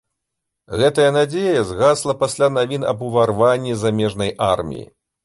Гэтая надзея згасла пасля навін аб уварванні замежнай арміі.